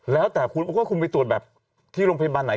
แล้วแต่คุณก็คุณไปตรวจแบบที่โรงพยาบาลไหน